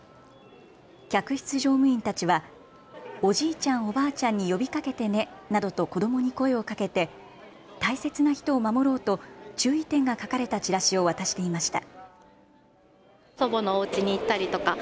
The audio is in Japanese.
客室乗務員たちはおじいちゃん、おばあちゃんに呼びかけてねなどと子どもに声をかけて大切な人を守ろうと注意点が書かれたチラシを渡していました。